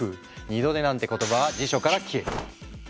二度寝なんて言葉は辞書から消える。